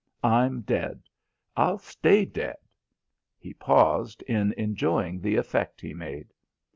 I'm dead. I'll stay dead." He paused in enjoying the effect he made.